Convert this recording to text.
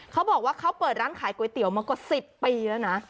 เขาบอกว่าเขาเปิดร้านขายก๋วยเตี๋ยวมากว่า๑๐ปีแล้วนะ